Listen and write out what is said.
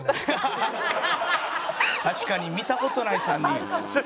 確かに見た事ない３人。